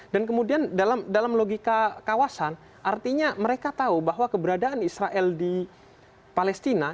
dan kemudian dalam logika kawasan artinya mereka tahu bahwa keberadaan israel di palestina